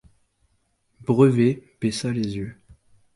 Brevet baissa les yeux.